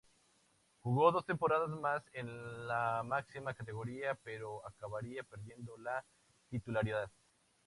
Jugó dos temporadas más en la máxima categoría, pero acabaría perdiendo la titularidad.